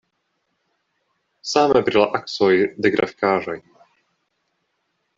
Same pri la aksoj de grafikaĵoj.